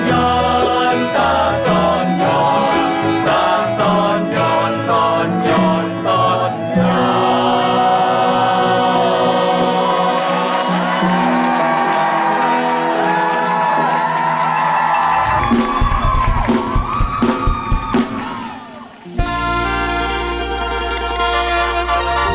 ตอนย้อนจ้าตอนย้อนจ้าตอนย้อนตอนย้อนตอนย้อน